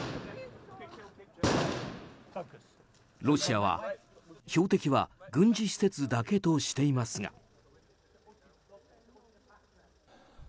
ロシアは標的は軍事施設だけとしていますが。